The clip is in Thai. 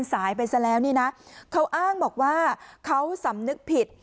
สายไปซะแล้วนี่นะเขาอ้างบอกว่าเขาสำนึกผิด